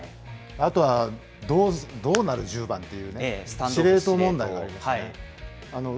あとはどうなる１０番っていうね、司令塔問題がありましたよね。